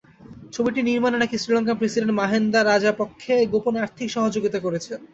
ছবিটি নির্মাণে নাকি শ্রীলঙ্কান প্রেসিডেন্ট মাহিন্দা রাজাপক্ষে গোপনে আর্থিক সহযোগিতা করেছেন।